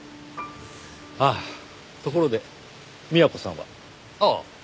ああところで美和子さんは？ああ。